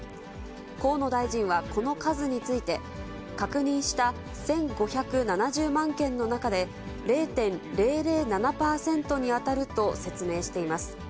河野大臣はこの数について、確認した１５７０万件の中で、０．００７％に当たると説明しています。